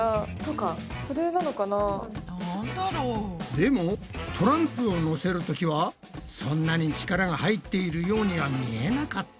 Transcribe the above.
でもトランプをのせるときはそんなに力が入っているようには見えなかったぞ。